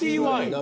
何？